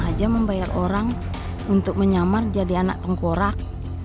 saya sengaja membayar orang untuk menyamar jadi anak tongkorak